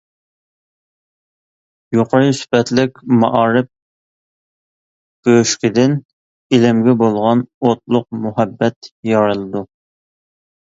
يۇقىرى سۈپەتلىك مائارىپ بۆشۈكىدىن ئىلىمگە بولغان ئوتلۇق مۇھەببەت يارىلىدۇ.